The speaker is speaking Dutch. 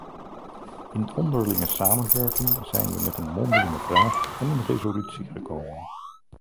In onderlinge samenwerking zijn we met een mondelinge vraag en een resolutie gekomen.